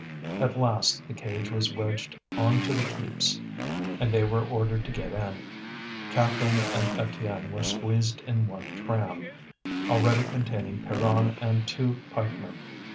At last the cage was wedged on to the keeps, and they were ordered to get in. Catherine and Étienne were squeezed in one tram, already containing Pierron and two pikemen.